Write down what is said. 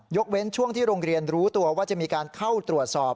เว้นช่วงที่โรงเรียนรู้ตัวว่าจะมีการเข้าตรวจสอบ